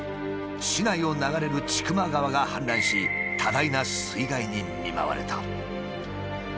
市内を流れる千曲川が氾濫し多大な水害に見舞われた。